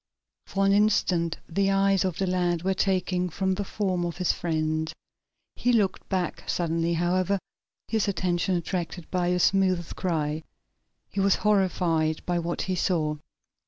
For an instant the eyes of the lad were taken from the form of his friend. He looked back suddenly, however, his attention attracted by a smothered cry. He was horrified by what he saw.